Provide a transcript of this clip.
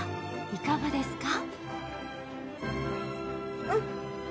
いかがですか？